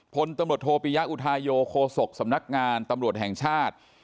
พลตำรวจโทปิยะอุทาโยโคศกสำนักงานตำรวจแห่งชาติ